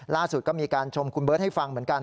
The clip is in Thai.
ล่าสุดก็มีการชมคุณเบิร์ตให้ฟังเหมือนกัน